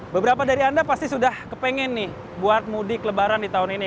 beberapa dari anda pasti sudah kepengen nih buat mudik lebaran di tahun ini